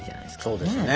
そうですね。